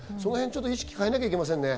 意識を変えなきゃいけませんね。